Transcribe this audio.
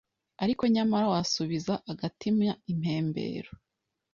ariko nyamara wasubiza agatima impembero